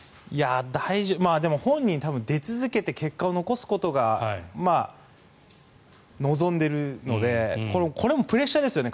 大丈夫でも本人、出続けて結果を残すことを望んでいるのでこれもプレッシャーですよね